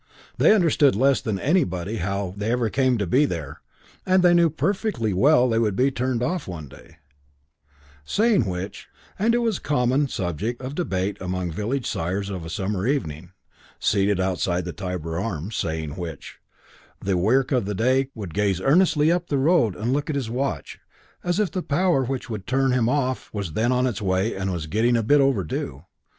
They understood less than anybody how they ever came to be there, and they knew perfectly well they would be turned off one day; saying which and it was a common subject of debate among village sires of a summer evening, seated outside the Tybar Arms saying which, the Wirk of the day would gaze earnestly up the road and look at his watch as if the power which would turn him off was then on its way and was getting a bit overdue.